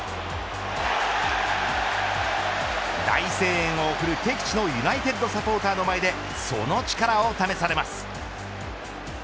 大声援を送る敵地のユナイテッド・サポーターの前でその力を試されます。